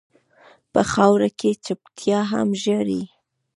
په خاوره کې چپتيا هم ژاړي.